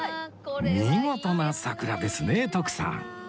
見事な桜ですね徳さん